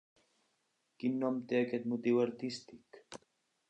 Quin nom té aquest motiu artístic?